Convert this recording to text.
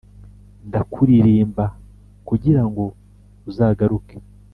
ndakuririmba kugirango uzagaruke